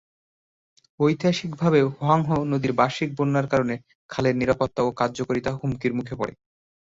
ঐতিহাসিকভাবে হুয়াংহো নদীর বার্ষিক বন্যার কারণে খালের নিরাপত্তা ও কার্যকারিতা হুমকির মুখে পড়ে।